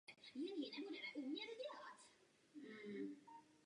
Nastupuje na postu pravého nebo středního ofenzivního záložníka.